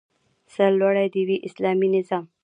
سرلوړی دې وي اسلامي نظام